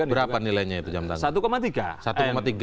berapa nilainya itu jam tangan